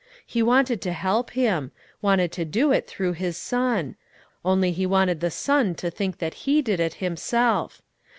He wanted to help him, wanted to do it through his son; only he wanted the son to think that he did it himself.